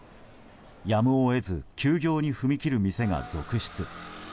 やむを得ず休業に踏み切る店が続出。